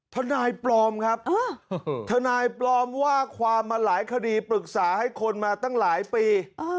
ทนายปลอมครับทนายปลอมว่าความมาหลายคดีปรึกษาให้คนมาตั้งหลายปี